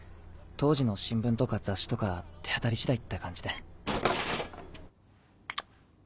当時の新聞とか雑誌とか手当たり次第って感じで。